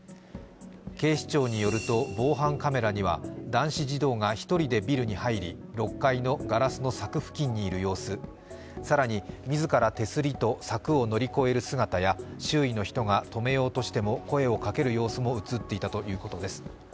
警視庁によると、防犯カメラには男子児童が１人でビルに入り６階のガラスの柵付近にいる様子更に自ら手すりと柵を乗り越える姿や周囲の人が止めようとして声をかける様子も映っていたということです。